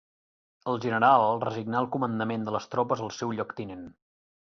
El general resignà el comandament de les tropes al seu lloctinent.